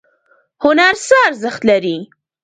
هنر څه ارزښت لري؟